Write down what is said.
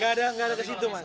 gak ada gak ada kesitu mas